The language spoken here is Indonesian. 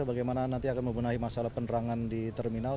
bagaimana nanti akan membenahi masalah penerangan di terminal